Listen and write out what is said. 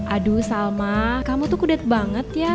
aduh salma kamu tuh kudet banget ya